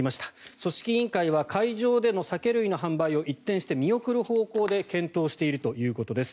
組織委員会は会場での酒類の販売を一転して見送る方向で検討しているということです。